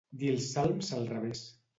Dir els salms al revés.